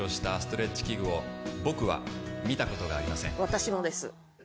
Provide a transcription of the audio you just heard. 私もです。